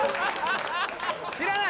知らない？